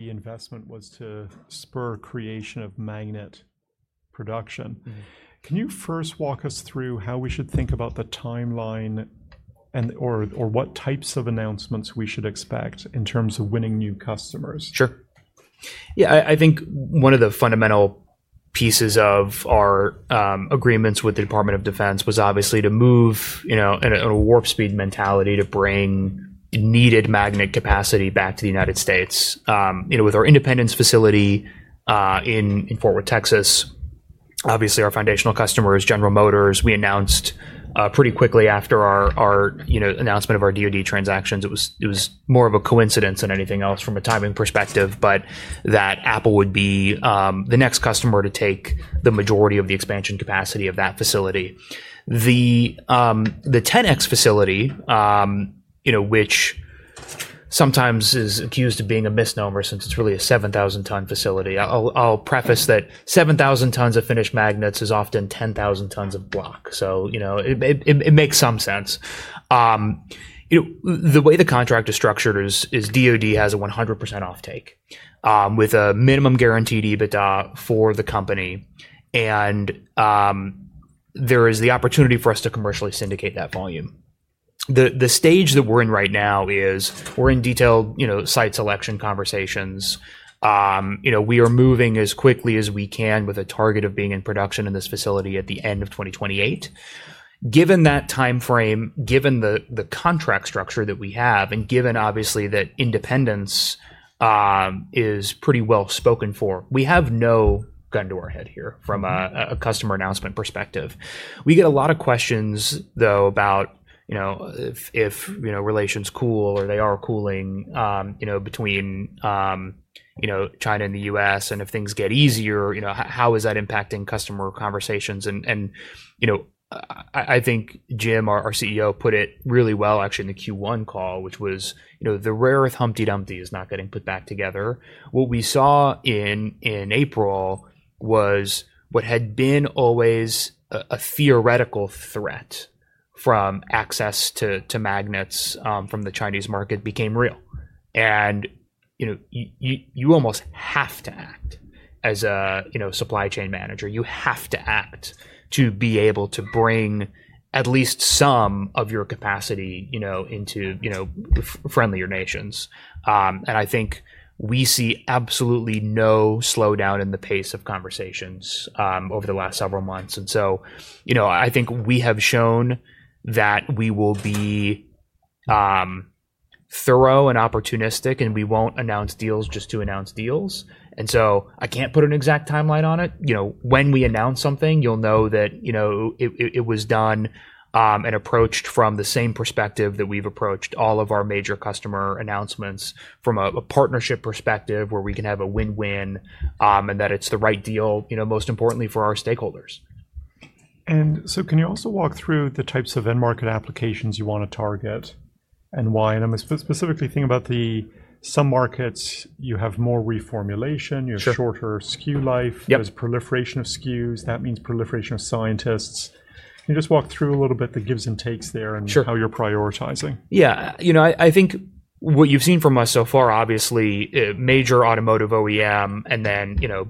The investment was to spur creation of magnet production. Can you first walk us through how we should think about the timeline and or what types of announcements we should expect in terms of winning new customers? Sure. Yeah, I think one of the fundamental pieces of our agreements with the Department of Defense was obviously to move, you know, in a warp speed mentality to bring needed magnet capacity back to the United States. You know, with our Independence facility in Fort Worth, Texas, obviously our foundational customer is General Motors. We announced pretty quickly after our announcement of our DoD transactions. It was more of a coincidence than anything else from a timing perspective, but that Apple would be the next customer to take the majority of the expansion capacity of that facility. The 10X facility, you know, which sometimes is accused of being a misnomer since it's really a seven thousand ton facility. I'll preface that 7,000 tons of finished magnets is often 10,000 tons of block, so you know, it makes some sense. You know, the way the contract is structured is DoD has a 100% offtake, with a minimum guaranteed EBITDA for the company, and there is the opportunity for us to commercially syndicate that volume. The stage that we're in right now is we're in detailed site selection conversations. You know, we are moving as quickly as we can with a target of being in production in this facility at the end of 2028. Given that time frame, given the contract structure that we have, and given obviously that Independence is pretty well spoken for, we have no gun to our head here from a customer announcement perspective. We get a lot of questions, though, about, you know, if, you know, relations cool or they are cooling, you know, between, you know, China and the U.S., and if things get easier, you know, how is that impacting customer conversations? And, you know, I think Jim, our CEO, put it really well actually in the Q1 call, which was, you know, the rare earth Humpty Dumpty is not getting put back together. What we saw in April was what had been always a theoretical threat from access to magnets from the Chinese market became real. And, you know, you almost have to act as a, you know, supply chain manager. You have to act to be able to bring at least some of your capacity, you know, into, you know, friendlier nations. And I think we see absolutely no slowdown in the pace of conversations over the last several months. And so, you know, I think we have shown that we will be thorough and opportunistic, and we won't announce deals just to announce deals. And so I can't put an exact timeline on it. You know, when we announce something, you'll know that, you know, it was done and approached from the same perspective that we've approached all of our major customer announcements from a partnership perspective, where we can have a win-win, and that it's the right deal, you know, most importantly, for our stakeholders. And so can you also walk through the types of end market applications you want to target and why? And I'm specifically thinking about some markets you have more reformulation you have shorter SKU life. Yep. There's proliferation of SKUs. That means proliferation of scientists. Can you just walk through a little bit the gives and takes there- Sure and how you're prioritizing? Yeah. You know, I think what you've seen from us so far, obviously, a major automotive OEM and then, you know,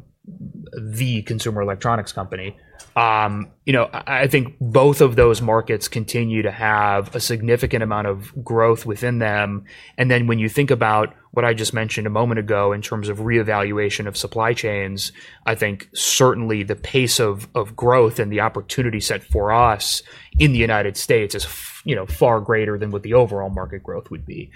the consumer electronics company. You know, I think both of those markets continue to have a significant amount of growth within them. And then when you think about what I just mentioned a moment ago in terms of reevaluation of supply chains, I think certainly the pace of growth and the opportunity set for us in the United States is, you know, far greater than what the overall market growth would be.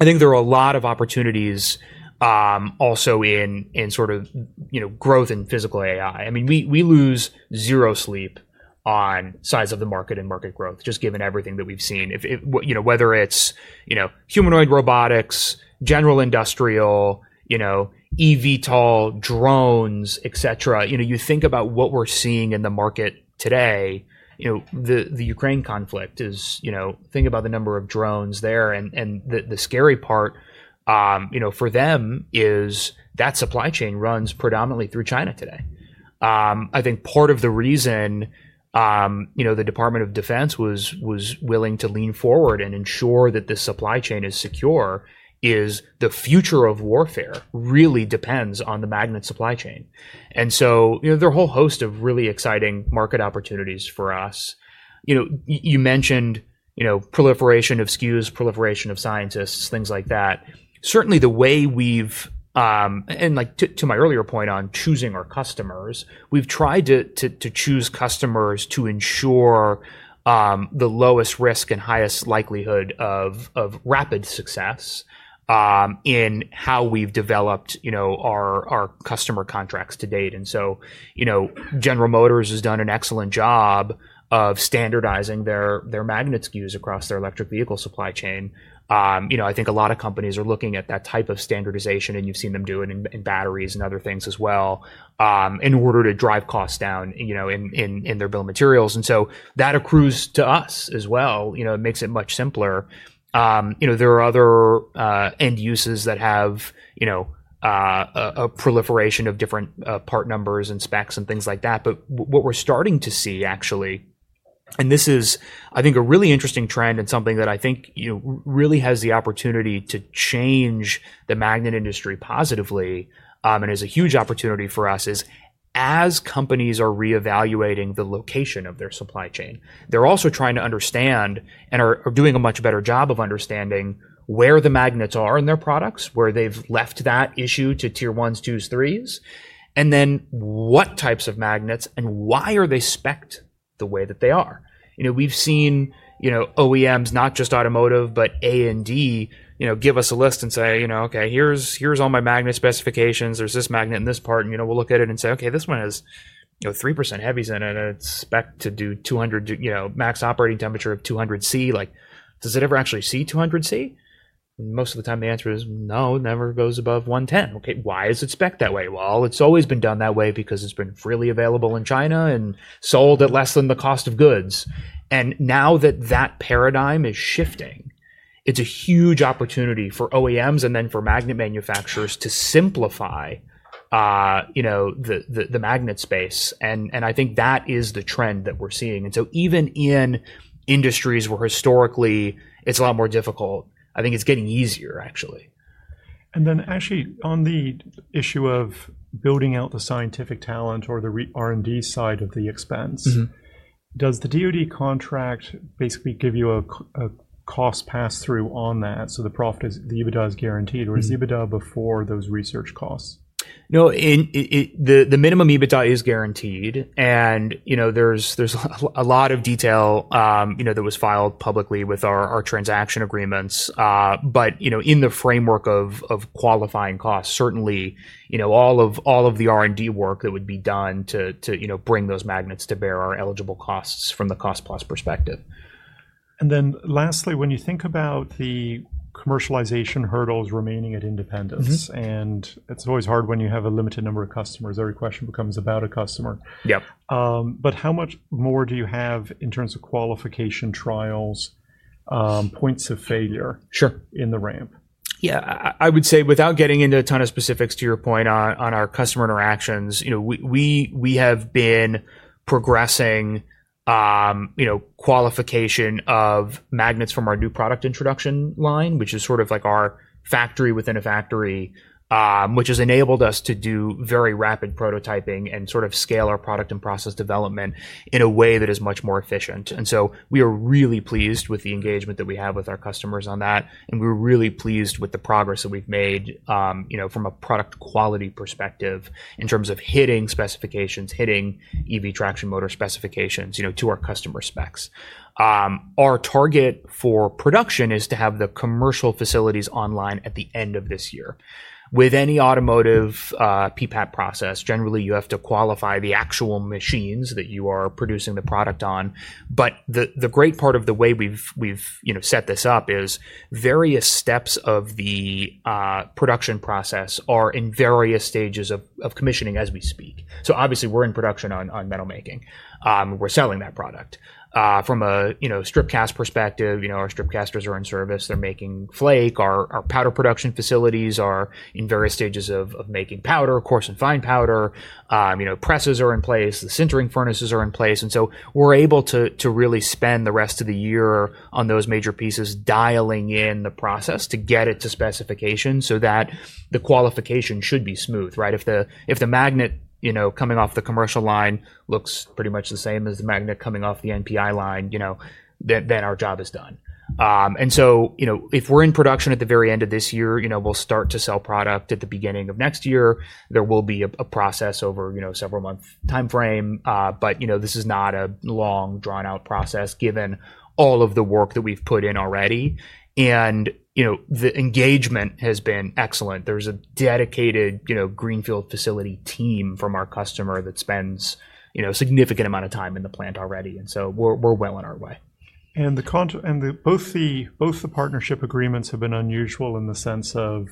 I think there are a lot of opportunities, also in sort of, you know, growth in physical AI. I mean, we lose zero sleep on size of the market and market growth, just given everything that we've seen. You know, whether it's, you know, humanoid robotics, general industrial, you know, eVTOL, drones, et cetera. You know, you think about what we're seeing in the market today, you know, the Ukraine conflict is. You know, think about the number of drones there, and the scary part, you know, for them is that supply chain runs predominantly through China today. I think part of the reason, you know, the Department of Defense was willing to lean forward and ensure that the supply chain is secure, is the future of warfare really depends on the magnet supply chain. And so, you know, there are a whole host of really exciting market opportunities for us. You know, you mentioned, you know, proliferation of SKUs, proliferation of sizes, things like that. Certainly the way we've and, like, to my earlier point on choosing our customers, we've tried to choose customers to ensure the lowest risk and highest likelihood of rapid success in how we've developed, you know, our customer contracts to date. And so, you know, General Motors has done an excellent job of standardizing their magnet SKUs across their electric vehicle supply chain. You know, I think a lot of companies are looking at that type of standardization, and you've seen them do it in batteries and other things as well in order to drive costs down, you know, in their bill of materials. And so that accrues to us as well. You know, it makes it much simpler. You know, there are other end uses that have, you know, a proliferation of different part numbers and specs and things like that, but what we're starting to see actually, and this is, I think, a really interesting trend and something that I think, you know, really has the opportunity to change the magnet industry positively, and is a huge opportunity for us, is as companies are reevaluating the location of their supply chain, they're also trying to understand and are doing a much better job of understanding where the magnets are in their products, where they've left that issue to Tier 1s, 2s, 3s, and then what types of magnets and why are they spec'd the way that they are? You know, we've seen, you know, OEMs, not just automotive, but A&D, you know, give us a list and say, "You know, okay, here's all my magnet specifications. There's this magnet in this part." And, you know, we'll look at it and say, "Okay, this one has, you know, 3% heavies in it, and it's spec'd to do, you know, max operating temperature of 200 Celsius. Like, does it ever actually see 200 C? Most of the time the answer is, "No, it never goes above 110." "Okay, why is it spec'd that way?" "Well, it's always been done that way because it's been freely available in China and sold at less than the cost of goods." And now that that paradigm is shifting, it's a huge opportunity for OEMs and then for magnet manufacturers to simplify, you know, the magnet space, and I think that is the trend that we're seeing. And so even in industries where historically it's a lot more difficult, I think it's getting easier, actually. And then actually, on the issue of building out the scientific talent or the R&D side of the expense. Does the DoD contract basically give you a cost pass-through on that, so the profit is, the EBITDA is guaranteed? Or is the EBITDA before those research costs? No, the minimum EBITDA is guaranteed. And, you know, there's a lot of detail, you know, that was filed publicly with our transaction agreements. But, you know, in the framework of qualifying costs, certainly, you know, all of the R&D work that would be done to, you know, bring those magnets to bear are eligible costs from the cost-plus perspective. And then lastly, when you think about the commercialization hurdles remaining at Independence. And it's always hard when you have a limited number of customers. Every question becomes about a customer. Yep. But how much more do you have in terms of qualification trials, points of failure? Sure In the ramp? Yeah, I would say, without getting into a ton of specifics, to your point, on our customer interactions, you know, we have been progressing, you know, qualification of magnets from our new product introduction line, which is sort of like our factory within a factory, which has enabled us to do very rapid prototyping and sort of scale our product and process development in a way that is much more efficient. So we are really pleased with the engagement that we have with our customers on that, and we're really pleased with the progress that we've made, you know, from a product quality perspective in terms of hitting specifications, hitting EV traction motor specifications, you know, to our customer specs. Our target for production is to have the commercial facilities online at the end of this year. With any automotive PPAP process, generally, you have to qualify the actual machines that you are producing the product on. But the great part of the way we've you know set this up is various steps of the production process are in various stages of commissioning as we speak. So obviously, we're in production on metal making. We're selling that product. From a you know strip cast perspective, you know, our strip casters are in service. They're making flake. Our powder production facilities are in various stages of making powder, coarse and fine powder. You know, presses are in place, the sintering furnaces are in place, and so we're able to really spend the rest of the year on those major pieces, dialing in the process to get it to specification so that the qualification should be smooth, right? If the magnet, you know, coming off the commercial line looks pretty much the same as the magnet coming off the NPI line, you know, then our job is done, and so, you know, if we're in production at the very end of this year, you know, we'll start to sell product at the beginning of next year. There will be a process over, you know, several month timeframe, but, you know, this is not a long, drawn-out process, given all of the work that we've put in already, and you know, the engagement has been excellent. There's a dedicated, you know, greenfield facility team from our customer that spends, you know, a significant amount of time in the plant already, and so we're well on our way. And both the partnership agreements have been unusual in the sense of,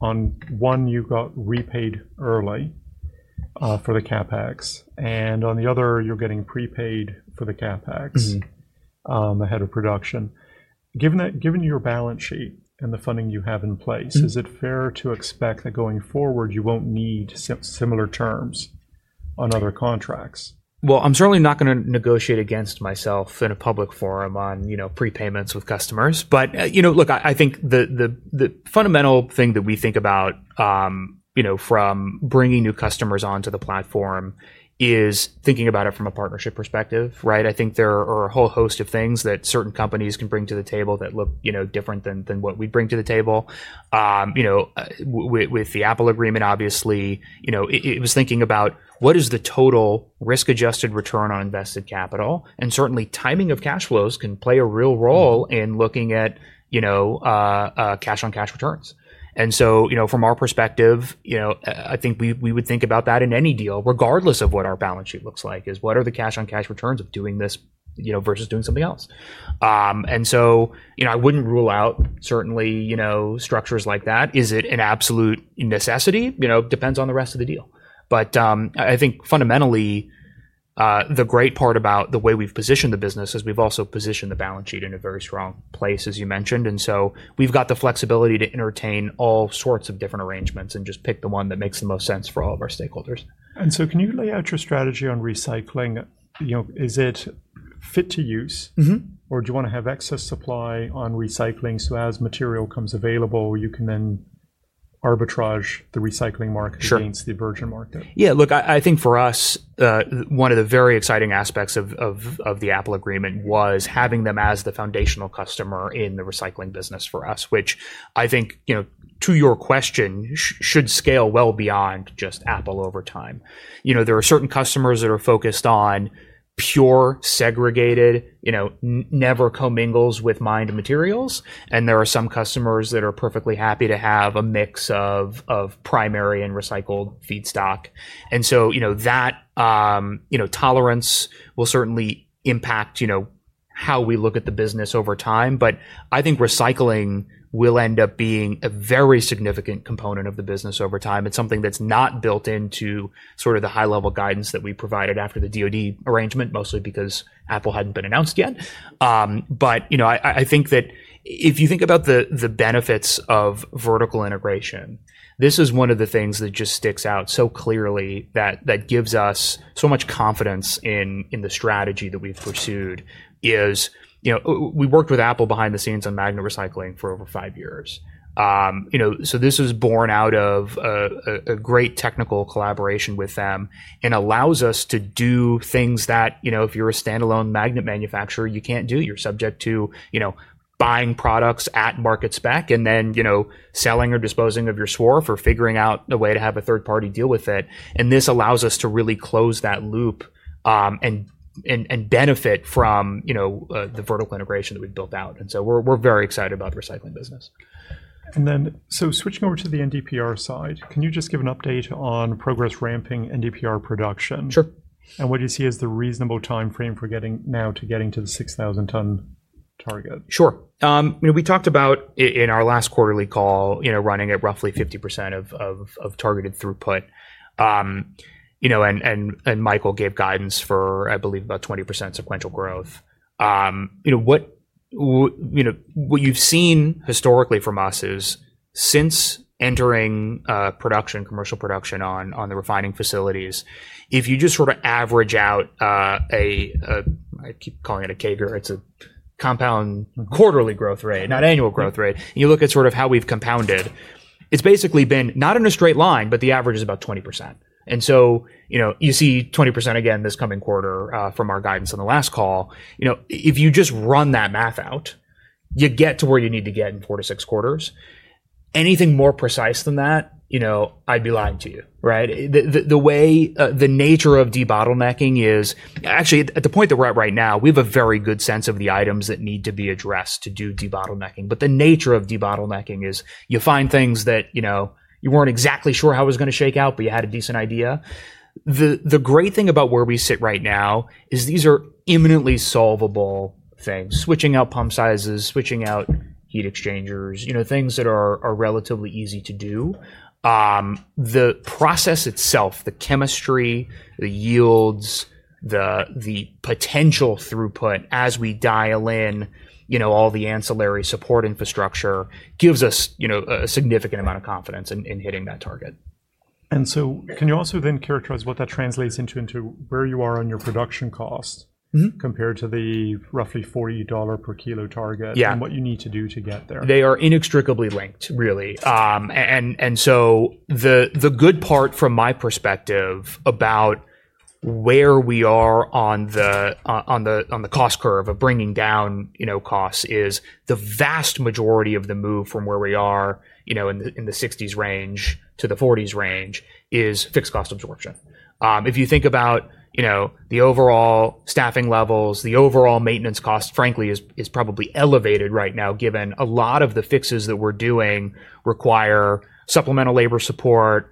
on one, you got repaid early, for the CapEx, and on the other, you're getting prepaid for the CapEx ahead of production. Given that, your balance sheet and the funding you have in place is it fair to expect that going forward, you won't need similar terms on other contracts? I'm certainly not gonna negotiate against myself in a public forum on, you know, prepayments with customers. But, you know, look, I think the fundamental thing that we think about, you know, from bringing new customers onto the platform is thinking about it from a partnership perspective, right? I think there are a whole host of things that certain companies can bring to the table that look, you know, different than what we'd bring to the table. You know, with the Apple agreement, obviously, you know, it was thinking about what is the total risk-adjusted return on invested capital? And certainly, timing of cash flows can play a real role In looking at, you know, cash-on-cash returns. And so, you know, from our perspective, you know, I think we would think about that in any deal, regardless of what our balance sheet looks like, is what are the cash-on-cash returns of doing this, you know, versus doing something else? And so, you know, I wouldn't rule out certainly, you know, structures like that. Is it an absolute necessity? You know, depends on the rest of the deal. But, I think fundamentally, the great part about the way we've positioned the business is we've also positioned the balance sheet in a very strong place, as you mentioned. And so we've got the flexibility to entertain all sorts of different arrangements and just pick the one that makes the most sense for all of our stakeholders. And so can you lay out your strategy on recycling? You know, is it fit to use? Or do you want to have excess supply on recycling, so as material comes available, you can then arbitrage the recycling market Sure Against the virgin market? Yeah, look, I think for us, one of the very exciting aspects of the Apple agreement was having them as the foundational customer in the recycling business for us, which I think, you know, to your question, should scale well beyond just Apple over time. You know, there are certain customers that are focused on pure segregated, you know, never co-mingles with mined materials, and there are some customers that are perfectly happy to have a mix of primary and recycled feedstock. And so, you know, that, you know, tolerance will certainly impact, you know, how we look at the business over time. But I think recycling will end up being a very significant component of the business over time. It's something that's not built into sort of the high-level guidance that we provided after the DoD arrangement, mostly because Apple hadn't been announced yet, but you know, I think that if you think about the benefits of vertical integration, this is one of the things that just sticks out so clearly that gives us so much confidence in the strategy that we've pursued, is, you know, we worked with Apple behind the scenes on magnet recycling for over five years. You know, so this was born out of a great technical collaboration with them and allows us to do things that, you know, if you're a standalone magnet manufacturer, you can't do. You're subject to, you know, buying products at market spec and then, you know, selling or disposing of your swarf or figuring out a way to have a third party deal with it, and this allows us to really close that loop and benefit from, you know, the vertical integration that we've built out, and so we're very excited about the recycling business. Switching over to the NdPr side, can you just give an update on progress ramping NdPr production? Sure. What do you see as the reasonable timeframe for getting to the 6,000-ton target? Sure. You know, we talked about in our last quarterly call, you know, running at roughly 50% of targeted throughput. You know, and Michael gave guidance for, I believe, about 20% sequential growth. You know, what you've seen historically from us is since entering production, commercial production on the refining facilities, if you just sort of average out, I keep calling it a CAGR. It's a compound quarterly growth rate, not annual growth rate, and you look at sort of how we've compounded, it's basically been not in a straight line, but the average is about 20%. And so, you know, you see 20% again this coming quarter from our guidance on the last call. You know, if you just run that math out, you'd get to where you need to get in four-to-six quarters. Anything more precise than that, you know, I'd be lying to you, right? The nature of debottlenecking is actually, at the point that we're at right now, we have a very good sense of the items that need to be addressed to do debottlenecking. But the nature of debottlenecking is, you find things that, you know, you weren't exactly sure how it was gonna shake out, but you had a decent idea. The great thing about where we sit right now is these are imminently solvable things. Switching out pump sizes, switching out heat exchangers, you know, things that are relatively easy to do. The process itself, the chemistry, the yields, the potential throughput as we dial in, you know, all the ancillary support infrastructure, gives us, you know, a significant amount of confidence in hitting that target. And so can you also then characterize what that translates into where you are on your production costs? Compared to the roughly $40 per kilo target- Yeah And what you need to do to get there? They are inextricably linked, really. And so the good part from my perspective about where we are on the cost curve of bringing down, you know, costs, is the vast majority of the move from where we are, you know, in the 60s range to the 40s range, is fixed cost absorption. If you think about, you know, the overall staffing levels, the overall maintenance cost, frankly, is probably elevated right now, given a lot of the fixes that we're doing require supplemental labor support.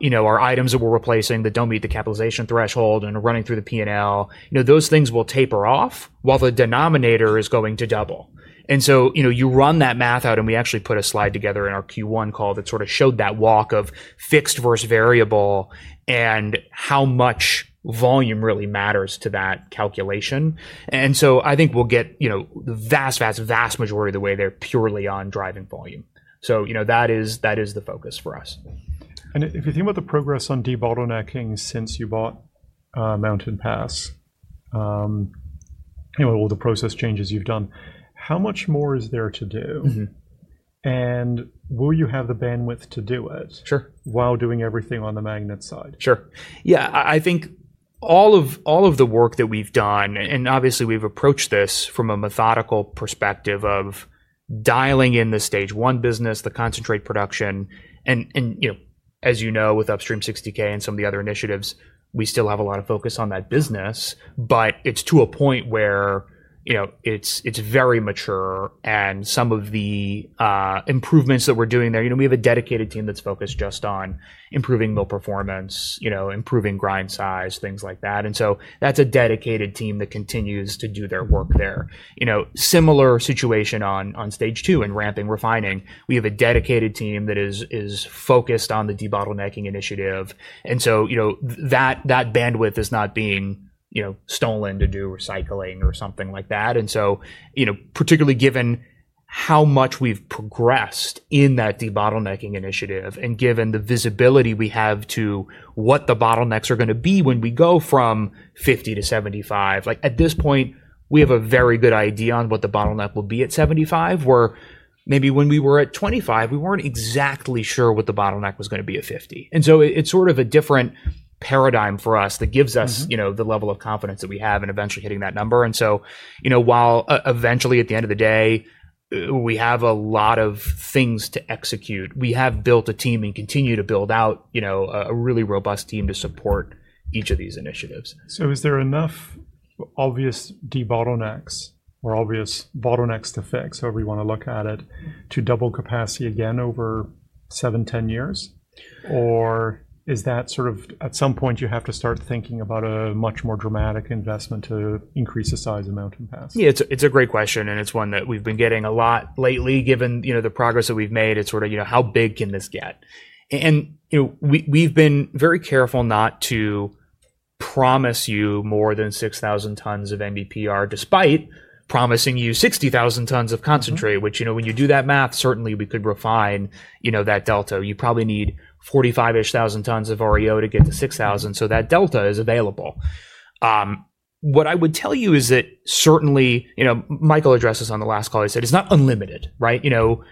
You know, or items that we're replacing that don't meet the capitalization threshold and are running through the P&L. You know, those things will taper off while the denominator is going to double. And so, you know, you run that math out, and we actually put a slide together in our Q1 call that sort of showed that walk of fixed versus variable and how much volume really matters to that calculation. And so I think we'll get, you know, the vast, vast, vast majority of the way there purely on driving volume. So, you know, that is, that is the focus for us. If you think about the progress on debottlenecking since you bought Mountain Pass, you know, all the process changes you've done, how much more is there to do? And will you have the bandwidth to do it- Sure While doing everything on the magnet side? Sure. Yeah, I think all of the work that we've done, and obviously we've approached this from a methodical perspective of dialing in the Stage I business, the concentrate production, and you know, as you know, with Upstream 60,000 and some of the other initiatives, we still have a lot of focus on that business. But it's to a point where, you know, it's very mature and some of the improvements that we're doing there. You know, we have a dedicated team that's focused just on improving mill performance, you know, improving grind size, things like that. And so that's a dedicated team that continues to do their work there. You know, similar situation on Stage II, in ramping, refining. We have a dedicated team that is focused on the debottlenecking initiative, and so, you know, that bandwidth is not being, you know, stolen to do recycling or something like that. And so, you know, particularly given how much we've progressed in that debottlenecking initiative, and given the visibility we have to what the bottlenecks are gonna be when we go from 50-75. Like, at this point, we have a very good idea on what the bottleneck will be at 75, when maybe when we were at 25, we weren't exactly sure what the bottleneck was gonna be at 50. And so it, it's sort of a different paradigm for us that gives us- You know, the level of confidence that we have in eventually hitting that number. And so, you know, while eventually, at the end of the day, we have a lot of things to execute, we have built a team and continue to build out, you know, a really robust team to support each of these initiatives. Is there enough obvious debottlenecks or obvious bottlenecks to fix, however you wanna look at it, to double capacity again over seven, 10 years? Or is that sort of, at some point, you have to start thinking about a much more dramatic investment to increase the size of Mountain Pass? Yeah, it's a great question, and it's one that we've been getting a lot lately, given, you know, the progress that we've made. It's sort of, you know, how big can this get? And, you know, we've been very careful not to promise you more than 6,000 tons of NdPr, despite promising you 60,000 tons of concentrate Which, you know, when you do that math, certainly we could refine, you know, that delta. You probably need 45-ish thousand tons of REO to get to 6,000, so that delta is available. What I would tell you is that certainly... You know, Michael addressed this on the last call. He said it's not unlimited, right? You know,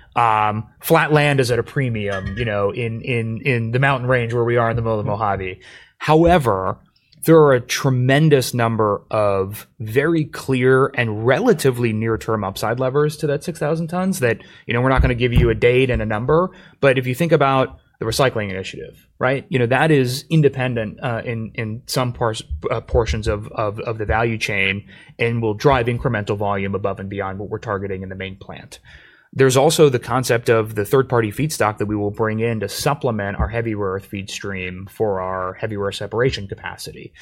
flat land is at a premium, you know, in the mountain range where we are in the middle of the Mojave. However, there are a tremendous number of very clear and relatively near-term upside levers to that 6,000 tons that, you know, we're not gonna give you a date and a number, but if you think about the recycling initiative, right? You know, that is independent in some parts portions of the value chain and will drive incremental volume above and beyond what we're targeting in the main plant. There's also the concept of the third-party feedstock that we will bring in to supplement our heavy rare earth feed stream for our heavy rare separation capacity.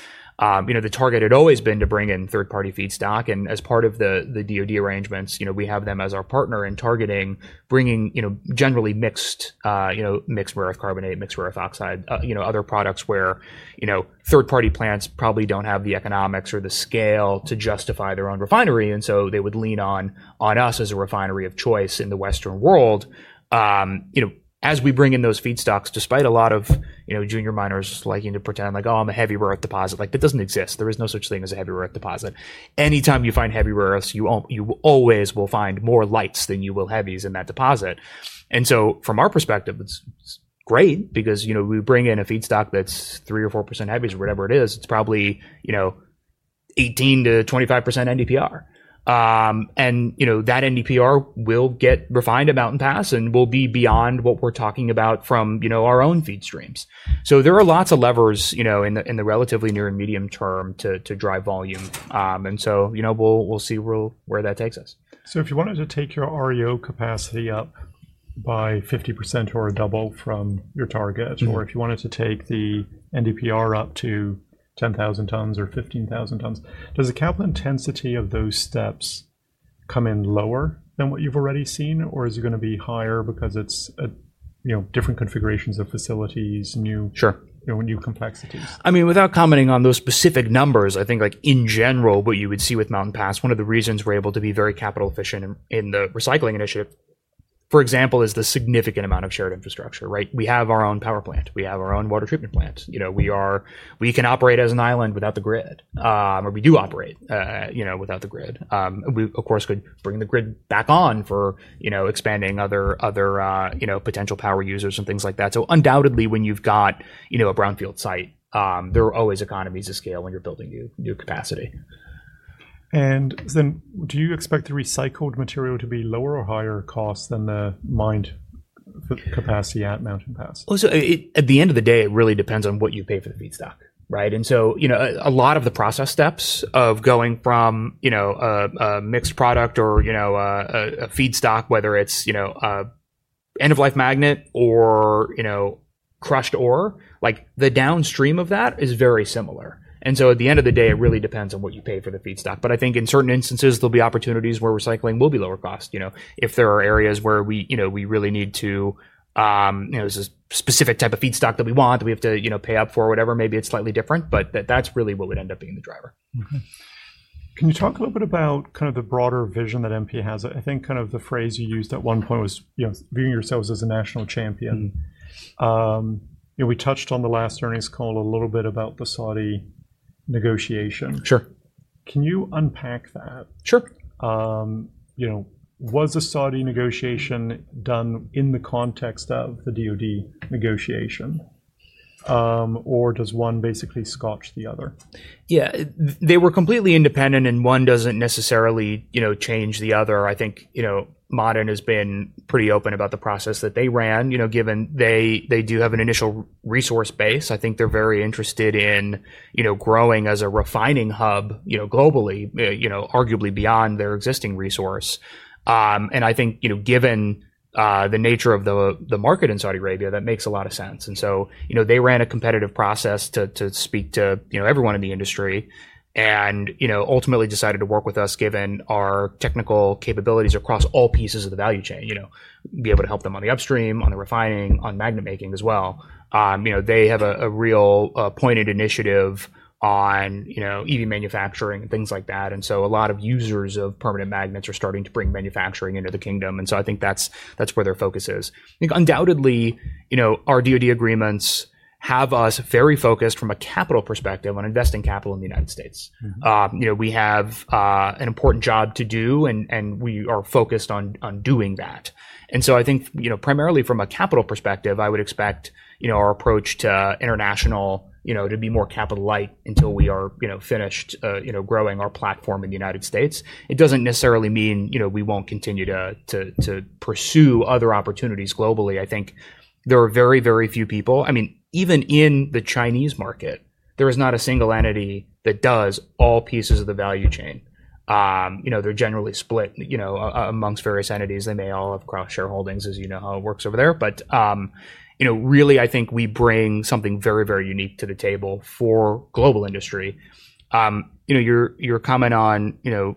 You know, the target had always been to bring in third-party feedstock, and as part of the DoD arrangements, you know, we have them as our partner in targeting, bringing, you know, generally mixed, you know, mixed rare earth carbonate, mixed rare earth oxide, you know, other products where, you know, third-party plants probably don't have the economics or the scale to justify their own refinery, and so they would lean on us as a refinery of choice in the Western world. You know, as we bring in those feedstocks, despite a lot of, you know, junior miners liking to pretend like, "Oh, I'm a heavy rare earth deposit," like, that doesn't exist. There is no such thing as a heavy rare earth deposit. Anytime you find heavy rare earths, you always will find more lights than you will heavies in that deposit. And so from our perspective, it's great because, you know, we bring in a feedstock that's 3%-4% heavies or whatever it is. It's probably, you know, 18%-25% NdPr. And, you know, that NdPr will get refined at Mountain Pass and will be beyond what we're talking about from, you know, our own feed streams. So there are lots of levers, you know, in the, in the relatively near and medium term to, to drive volume. And so, you know, we'll see where that takes us. So if you wanted to take your REO capacity up by 50% or double from your target. Or if you wanted to take the NdPr up to 10,000 tons or 15,000 tons, does the capital intensity of those steps come in lower than what you've already seen, or is it gonna be higher because it's a, you know, different configurations of facilities, new-? Sure You know, new complexities? I mean, without commenting on those specific numbers, I think, like, in general, what you would see with Mountain Pass, one of the reasons we're able to be very capital efficient in the recycling initiative, for example, is the significant amount of shared infrastructure, right? We have our own power plant. We have our own water treatment plant. You know, we can operate as an island without the grid, or we do operate, you know, without the grid. We, of course, could bring the grid back on for, you know, expanding other, you know, potential power users and things like that. So undoubtedly, when you've got, you know, a brownfield site, there are always economies of scale when you're building new capacity. And then, do you expect the recycled material to be lower or higher cost than the mined capacity at Mountain Pass? Well, so it at the end of the day, it really depends on what you pay for the feedstock, right? And so, you know, a lot of the process steps of going from, you know, a mixed product or, you know, a feedstock, whether it's, you know, a end-of-life magnet or, you know, crushed ore, like, the downstream of that is very similar. And so at the end of the day, it really depends on what you pay for the feedstock. But I think in certain instances there'll be opportunities where recycling will be lower cost. You know, if there are areas where we, you know, we really need to, you know, there's a specific type of feedstock that we want, that we have to, you know, pay up for or whatever, maybe it's slightly different, but that, that's really what would end up being the driver. Mm-hmm. Can you talk a little bit about kind of the broader vision that MP has? I think kind of the phrase you used at one point was, you know, viewing yourselves as a national champion. You know, we touched on the last earnings call a little bit about the Saudi negotiation. Sure. Can you unpack that? Sure. You know, was the Saudi negotiation done in the context of the DoD negotiation, or does one basically scotch the other? Yeah. They were completely independent, and one doesn't necessarily, you know, change the other. I think, you know, Ma'aden has been pretty open about the process that they ran. You know, given they, they do have an initial resource base, I think they're very interested in, you know, growing as a refining hub, you know, globally, you know, arguably beyond their existing resource. And I think, you know, given the nature of the, the market in Saudi Arabia, that makes a lot of sense. And so, you know, they ran a competitive process to speak to, you know, everyone in the industry and, you know, ultimately decided to work with us, given our technical capabilities across all pieces of the value chain, you know, be able to help them on the upstream, on the refining, on magnet making as well. You know, they have a real pointed initiative on, you know, EV manufacturing and things like that, and so a lot of users of permanent magnets are starting to bring manufacturing into the Kingdom, and so I think that's where their focus is. I think undoubtedly, you know, our DoD agreements have us very focused from a capital perspective on investing capital in the United States. You know, we have an important job to do, and we are focused on doing that. So I think, you know, primarily from a capital perspective, I would expect, you know, our approach to international, you know, to be more capital light until we are, you know, finished, you know, growing our platform in the United States. It doesn't necessarily mean, you know, we won't continue to pursue other opportunities globally. I think there are very, very few people. I mean, even in the Chinese market, there is not a single entity that does all pieces of the value chain. You know, they're generally split, you know, among various entities. They may all have cross-shareholdings, as you know how it works over there. But you know, really, I think we bring something very, very unique to the table for global industry. You know, your comment on, you know,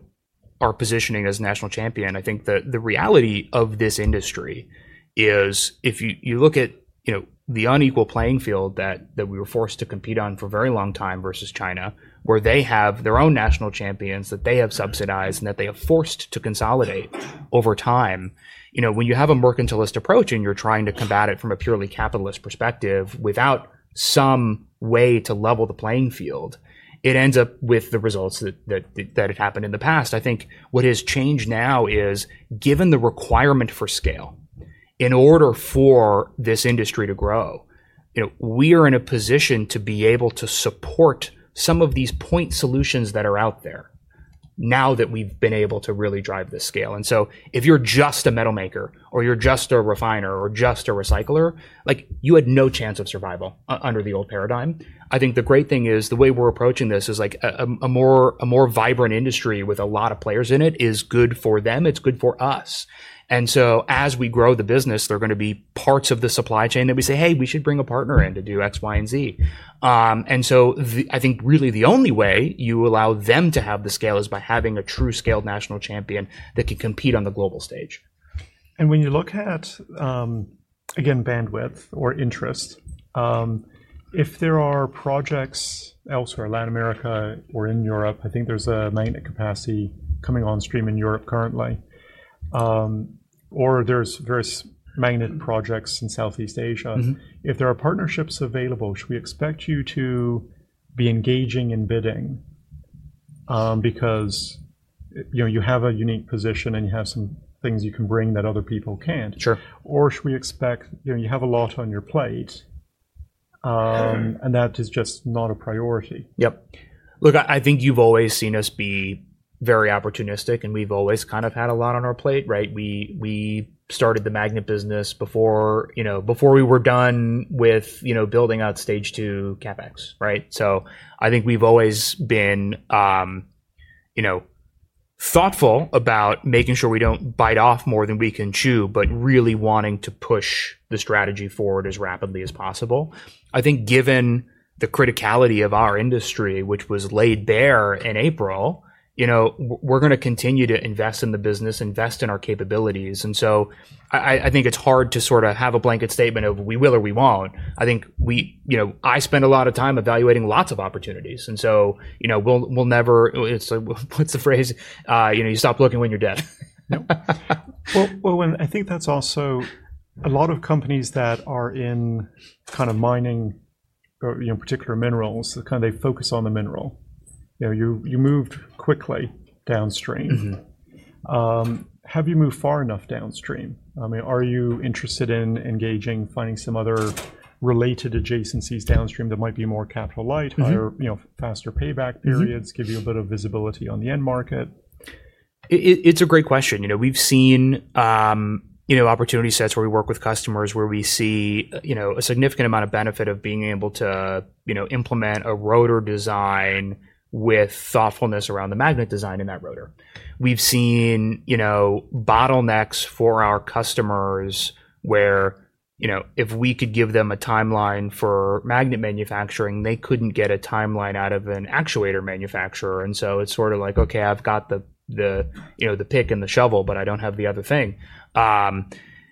our positioning as national champion, I think the reality of this industry is if you look at, you know, the unequal playing field that we were forced to compete on for a very long time versus China, where they have their own national champions that they have subsidized and that they have forced to consolidate over time. You know, when you have a mercantilist approach, and you're trying to combat it from a purely capitalist perspective, without some way to level the playing field, it ends up with the results that had happened in the past. I think what has changed now is, given the requirement for scale, in order for this industry to grow, you know, we are in a position to be able to support some of these point solutions that are out there now that we've been able to really drive this scale. And so if you're just a metal maker or you're just a refiner or just a recycler, like, you had no chance of survival under the old paradigm. I think the great thing is, the way we're approaching this is, like, a more vibrant industry with a lot of players in it is good for them. It's good for us. And so as we grow the business, there are gonna be parts of the supply chain that we say, "Hey, we should bring a partner in to do X, Y, and Z." and so the. I think really the only way you allow them to have the scale is by having a true scaled national champion that can compete on the global stage. And when you look at, again, bandwidth or interest, if there are projects elsewhere, Latin America or in Europe, I think there's a magnet capacity coming on stream in Europe currently, or there's various magnet projects in Southeast Asia. If there are partnerships available, should we expect you to be engaging in bidding? Because, you know, you have a unique position, and you have some things you can bring that other people can't. Sure. Or should we expect, you know, you have a lot on your plate? Yeah And that is just not a priority? Yep. Look, I think you've always seen us be very opportunistic, and we've always kind of had a lot on our plate, right? We started the magnet business before, you know, before we were done with, you know, building out Stage II CapEx, right? So I think we've always been, you know, thoughtful about making sure we don't bite off more than we can chew but really wanting to push the strategy forward as rapidly as possible. I think given the criticality of our industry, which was laid bare in April, you know, we're gonna continue to invest in the business, invest in our capabilities, and so I think it's hard to sort of have a blanket statement of, we will or we won't. I think we. You know, I spend a lot of time evaluating lots of opportunities, and so, you know, we'll never. It's what's the phrase? You know, you stop looking when you're dead. I think that's also a lot of companies that are in kind of mining or, you know, particular minerals, kind of they focus on the mineral. You know, you moved quickly downstream. Have you moved far enough downstream? I mean, are you interested in engaging, finding some other related adjacencies downstream that might be more capital light higher, you know, faster payback periods you a bit of visibility on the end market? It's a great question. You know, we've seen, you know, opportunity sets where we work with customers, where we see, you know, a significant amount of benefit of being able to, you know, implement a rotor design with thoughtfulness around the magnet design in that rotor. We've seen, you know, bottlenecks for our customers where, you know, if we could give them a timeline for magnet manufacturing, they couldn't get a timeline out of an actuator manufacturer, and so it's sort of like, okay, I've got the, you know, the pick and the shovel, but I don't have the other thing.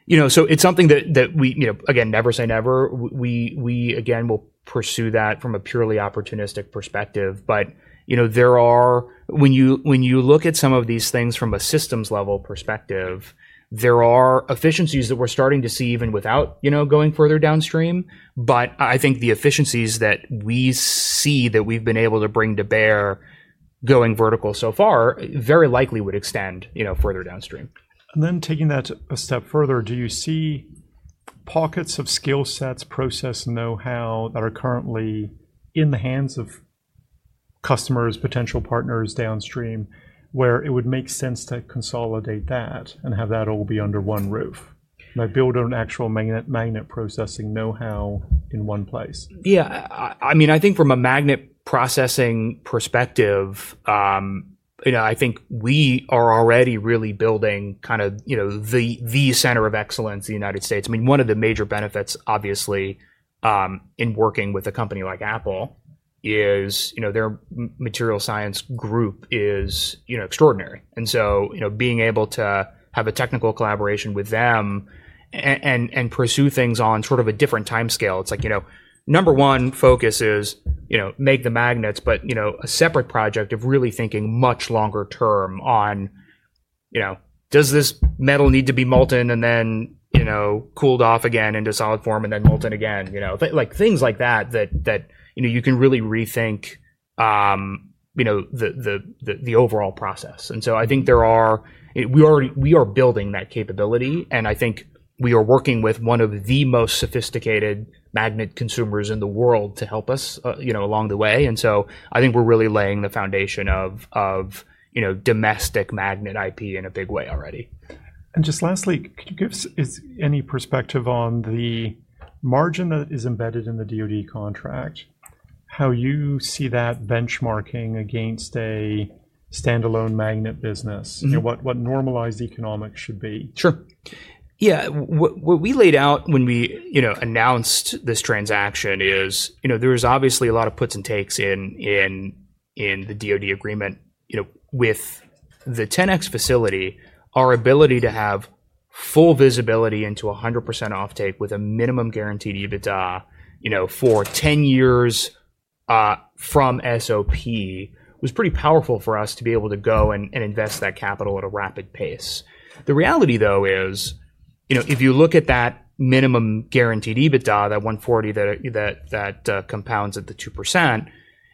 You know, so it's something that we... You know, again, never say never. We, again, will pursue that from a purely opportunistic perspective. But, you know, there are, when you look at some of these things from a systems-level perspective, there are efficiencies that we're starting to see even without, you know, going further downstream. But I think the efficiencies that we see, that we've been able to bring to bear going vertical so far, very likely would extend, you know, further downstream. And then taking that a step further, do you see pockets of skill sets, process know-how that are currently in the hands of customers, potential partners downstream, where it would make sense to consolidate that and have that all be under one roof, like build an actual magnet, magnet-processing know-how in one place? Yeah. I mean, I think from a magnet-processing perspective, you know, I think we are already really building kind of, you know, the center of excellence in the United States. I mean, one of the major benefits, obviously, in working with a company like Apple is, you know, their materials science group is, you know, extraordinary, and so, you know, being able to have a technical collaboration with them and pursue things on sort of a different timescale. It's like, you know, number one focus is, you know, make the magnets, but, you know, a separate project of really thinking much longer-term on you know, does this metal need to be molten and then, you know, cooled off again into solid form and then molten again? You know, like, things like that, you know, you can really rethink, you know, the overall process. And so I think we already are building that capability, and I think we are working with one of the most sophisticated magnet consumers in the world to help us, you know, along the way. And so I think we're really laying the foundation of, you know, domestic magnet IP in a big way already. And just lastly, can you give us any perspective on the margin that is embedded in the DoD contract, how you see that benchmarking against a standalone magnet business and what normalized economics should be? Sure. Yeah, what we laid out when we, you know, announced this transaction is, you know, there was obviously a lot of puts and takes in the DoD agreement. You know, with the 10X facility, our ability to have full visibility into 100% offtake with a minimum guaranteed EBITDA, you know, for 10 years from SOP, was pretty powerful for us to be able to go and invest that capital at a rapid pace. The reality, though, is, you know, if you look at that minimum guaranteed EBITDA, that $140 that compounds at 2%,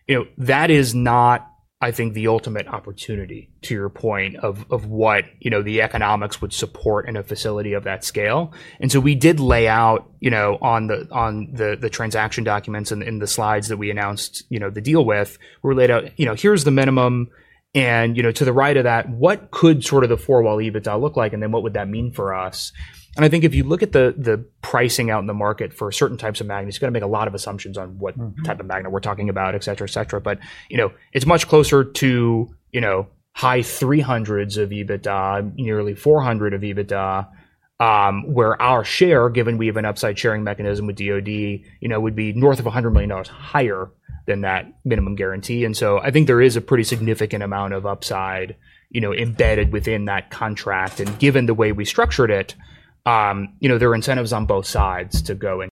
you know, that is not, I think, the ultimate opportunity, to your point, of what, you know, the economics would support in a facility of that scale. And so we did lay out, you know, on the transaction documents and in the slides that we announced, you know, the deal with. We laid out, you know, "Here's the minimum," and, you know, to the right of that, "What could sort of the four-wall EBITDA look like, and then what would that mean for us?" And I think if you look at the pricing out in the market for certain types of magnets, you've got to make a lot of assumptions on what- Type of magnet we're talking about, et cetera, et cetera. But, you know, it's much closer to, you know, high 300 of EBITDA, nearly 400 of EBITDA, where our share, given we have an upside sharing mechanism with DoD, you know, would be north of $100 million higher than that minimum guarantee. And so I think there is a pretty significant amount of upside, you know, embedded within that contract. And given the way we structured it, you know, there are incentives on both sides to go and-